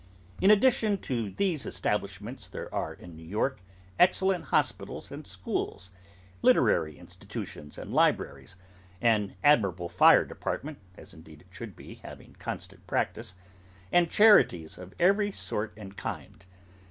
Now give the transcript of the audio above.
In addition to these establishments, there are in New York, excellent hospitals and schools, literary institutions and libraries; an admirable fire department (as indeed it should be, having constant practice), and charities of every sort and kind.